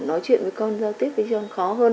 nói chuyện với con giao tiếp với yon khó hơn